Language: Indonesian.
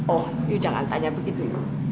oh ibu jangan tanya begitu ibu